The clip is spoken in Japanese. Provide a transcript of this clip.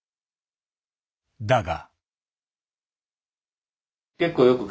だが。